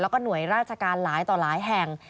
แล้วก็หน่วยราชการหลายต่อหลายแห่ง